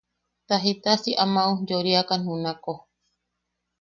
Ta jita si ama ujyoiriakan junako.